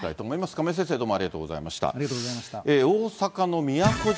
亀井先生、どうもありがとうござありがとうございました。